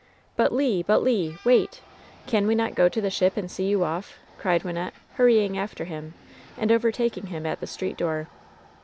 "But, Le! But, Le! Wait! Can we not go to the ship and see you off?" cried Wynnette, hurrying after him, and overtaking him at the street door.